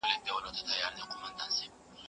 که زده کوونکی مشاهده وکړي دا تعليم ژوروي.